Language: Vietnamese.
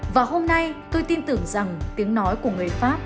và hôm nay tôi tin tưởng rằng tiếng nói của người pháp